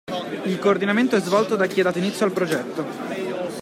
Il coordinamento è svolto da chi ha dato inizio al progetto.